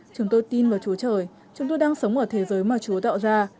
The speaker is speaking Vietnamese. chúng tôi tin vào chúa trời chúng tôi đang sống ở thế giới mà chúa tạo ra